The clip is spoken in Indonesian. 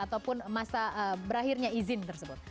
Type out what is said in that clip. ataupun masa berakhirnya izin tersebut